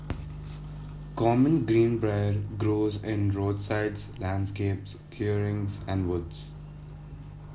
Common greenbrier grows in roadsides, landscapes, clearings and woods.